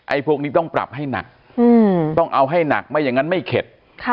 พวกนี้ต้องปรับให้หนักต้องเอาให้หนักไม่อย่างนั้นไม่เข็ด